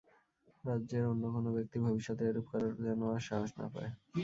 রাজ্যের অন্য কোন ব্যক্তি ভবিষ্যতে এরূপ করার যেন আর সাহস না পায়।